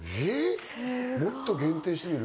もっと限定してみる？